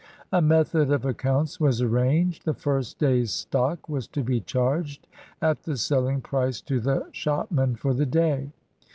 A method of accounts was arranged. The first day's stock was to be charged at the selling price to the shopman for the day.